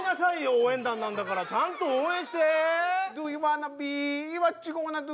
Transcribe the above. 応援団なんだからちゃんと応援して。